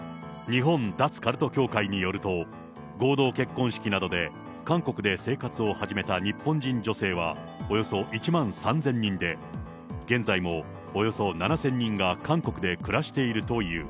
日本脱カルト協会によると、合同結婚式などで韓国で生活を始めた日本人女性は、およそ１万３０００人で、現在もおよそ７０００人が韓国で暮らしているという。